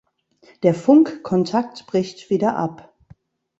Der Funkkontakt bricht wieder ab.